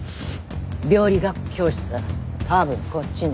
病理学教室は多分こっちね。